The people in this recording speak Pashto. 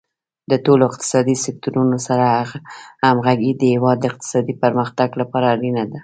د ټولو اقتصادي سکتورونو سره همغږي د هیواد د اقتصادي پرمختګ لپاره اړینه ده.